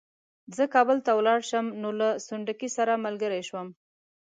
زه کابل ته ولاړ شم نو له سنډکي سره ملګری شوم.